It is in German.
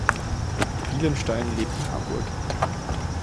Bielenstein lebt in Hamburg.